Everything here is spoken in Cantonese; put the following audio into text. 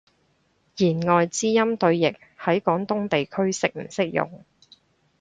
弦外之音對譯，喺廣東地區適唔適用？